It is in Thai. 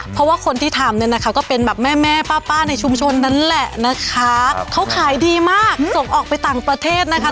เพราะว่าคนที่ทำเนี่ยนะคะก็เป็นแบบแม่แม่ป้าในชุมชนนั่นแหละนะคะเขาขายดีมากส่งออกไปต่างประเทศนะคะ